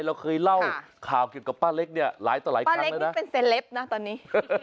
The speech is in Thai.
เราเคยเล่าข่าวเกี่ยวกับป้าเล็กเนี่ยหลายต่อหลายป้าเล็กนี่เป็นเซลปนะตอนนี้